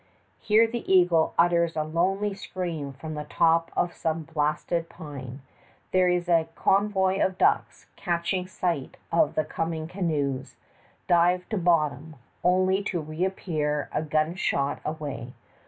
Here the eagle utters a lonely scream from the top of some blasted pine; there a covey of ducks, catching sight of the coming canoes, dive to bottom, only to reappear a gunshot away.